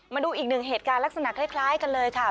มาดูอีกหนึ่งเหตุการณ์ลักษณะคล้ายกันเลยค่ะ